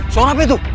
suara apa itu